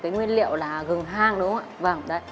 nguyên liệu là gừng hang đúng không ạ